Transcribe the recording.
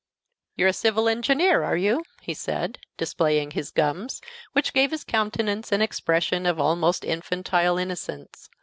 "You're a civil engineer, are you?" he said, displaying his gums, which gave his countenance an expression of almost infantile innocence.